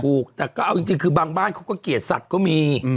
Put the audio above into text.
ถูกแต่ก็เอาจริงคือบางบ้านเขาก็เกลียดสัตว์ก็มี